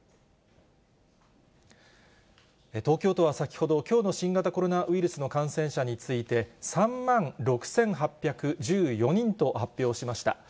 東京都は先ほど、きょうの新型コロナウイルスの感染者について、３万６８１４人と発表しました。